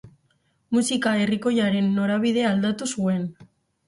Musika herrikoiaren norabide aldatu zuen.